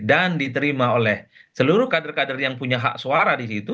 dan diterima oleh seluruh kader kader yang punya hak suara di situ